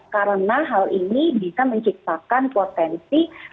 karena hal ini bisa menciptakan potensi